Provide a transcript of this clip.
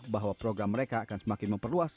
bahwa program mereka akan semakin memperluas